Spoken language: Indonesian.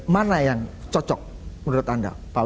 mana yang cocok menurut anda